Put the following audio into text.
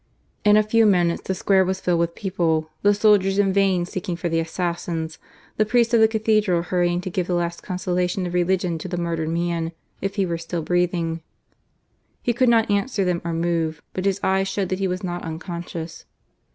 !n a few minutes the square was filled with people, the soldiers in vain seeking for the assassins, the priests of the Cathedral hurrying to give the last consolations of religion to the murdered man, if he were still breathing. He could not answer them or move, but his eyes showed that he was not unconscious.